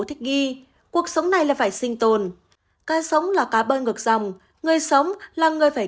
thích nghi cuộc sống này là phải sinh tồn cá sống là cá bơi ngược dòng người sống là người phải